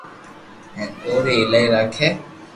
ھين اوري ايلائي راکي